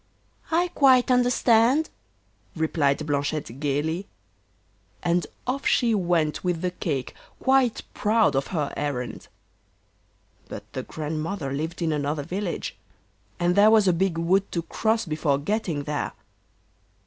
'I quite understand,' replied Blanchette gaily. And off she went with the cake, quite proud of her errand. But the Grandmother lived in another village, and there was a big wood to cross before getting there.